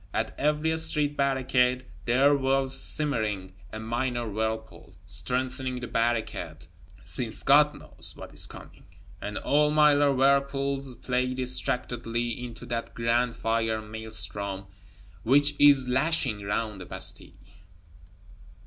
At every street barricade, there whirls simmering a minor whirlpool, strengthening the barricade, since God knows what is coming; and all minor whirlpools play distractedly into that grand Fire Maelstrom which is lashing round the Bastille.